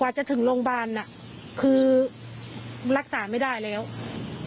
แล้วก็เอาปืนยิงจนตายเนี่ยมันก็อาจจะเป็นไปได้จริง